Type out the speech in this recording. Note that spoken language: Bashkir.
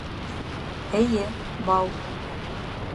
Эйе, бау.